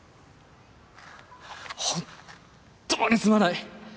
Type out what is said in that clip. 本当にすまない